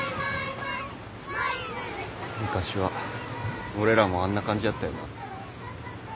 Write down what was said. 昔は俺らもあんな感じやったよな。